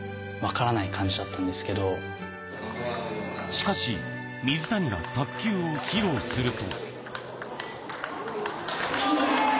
しかし水谷が卓球を披露すると。